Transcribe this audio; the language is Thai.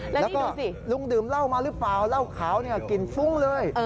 แล้วก็ลุงดื่มเหล้ามาหรือเปล่าเหล้าขาวเนี่ยกลิ่นฟุ้งเลย